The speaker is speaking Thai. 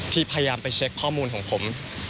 พยายามไปเช็คข้อมูลของผม